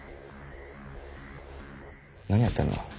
何やってんの？